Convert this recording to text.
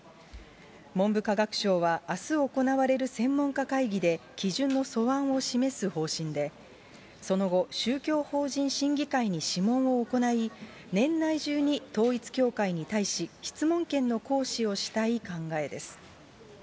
文部科学省はあす行われる専門家会議で、基準の素案を示す方針で、その後、宗教法人審議会に諮問を行い、年内中に統一教会に対し質問権の行使をしたい考えです。